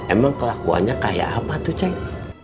emang kelakuannya kayak apa tuh ceng